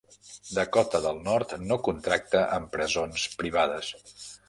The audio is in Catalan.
Dakota del Nord no contracta amb presons privades.